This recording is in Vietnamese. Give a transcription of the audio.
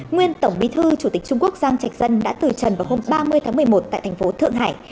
nguyên tổng bí thư chủ tịch trung quốc giang trạch dân đã từ trần vào hôm ba mươi tháng một mươi một tại thành phố thượng hải